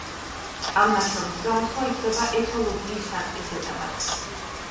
ამ ნაშრომის გამოსვლა ითვლება ეთოლოგიის საწყის ეტაპად.